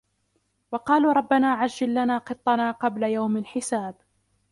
وَقَالُوا رَبَّنَا عَجِّلْ لَنَا قِطَّنَا قَبْلَ يَوْمِ الْحِسَابِ